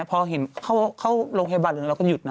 พอเห็นเข้าโรงพยาบาลหรือเราก็หยุดนะ